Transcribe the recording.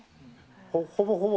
ほぼほぼ。